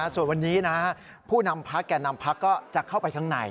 ส่วนวันนี้ผู้นำพักแก่นำพักก็จะเข้าไปข้างใน